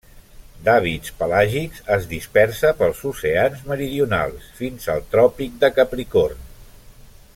D'hàbits pelàgics, es dispersa pels oceans meridionals, fins al Tròpic de Capricorn.